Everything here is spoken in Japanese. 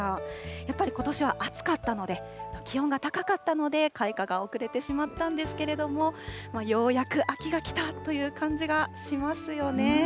やっぱりことしは暑かったので、気温が高かったので、開花が遅れてしまったんですけれども、ようやく秋が来たという感じがしますよね。